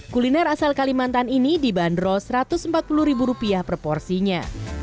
kuliner asal kalimantan ini dibanderol satu ratus empat puluh ribu rupiah proporsinya